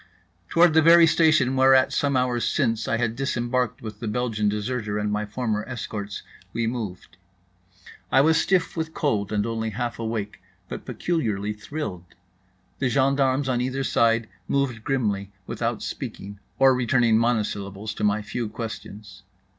Toward the very station whereat some hours since I had disembarked with the Belgian deserter and my former escorts, we moved. I was stiff with cold and only half awake, but peculiarly thrilled. The gendarmes on either side moved grimly, without speaking; or returning monosyllables to my few questions.